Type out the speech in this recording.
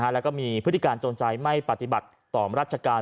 แล้วก็มีพฤติการจงใจไม่ปฏิบัติต่อราชการ